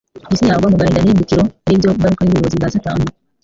isi yagwa mu gahinda n'irimbukiro ari byo ngaruka y'ubuyobozi bwa Satani.